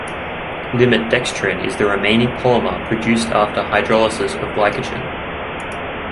Limit dextrin is the remaining polymer produced after hydrolysis of glycogen.